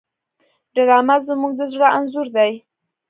ډرامه زموږ د زړه انځور دی